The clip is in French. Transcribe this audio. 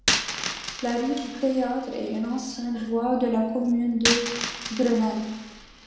La rue du Théâtre est une ancienne voie de la commune de Grenelle.